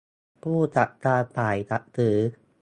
ผู้จัดการฝ่ายจัดซื้อ